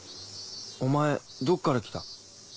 お前どっから来た？